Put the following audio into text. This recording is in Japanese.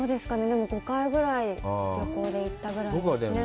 でも５回ぐらい旅行で行ったぐらいですね。